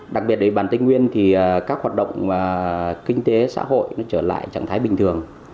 đặc biệt để bán tên nguyên thì các hoạt động kinh tế xã hội trở lại trạng thái bình thường